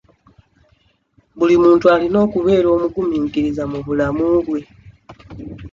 Buli muntu alina okubeera omugumiikiriza mu bulamu bwe.